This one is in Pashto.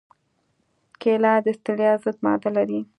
کېله د ستړیا ضد ماده لري.